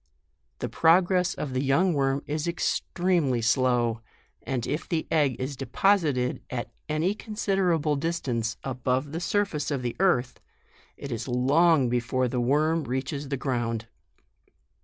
The progress of the young worm is extremely slow ; and if the egg is deposited at any considerable distance above the surface of the earth, it is long be fore the worm reaches the ground.